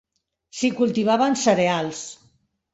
S'hi cultivaven cereals.